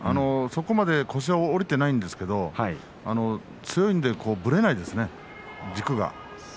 そこまで腰は下りていないんですけど強いのでぶれないですよね軸が。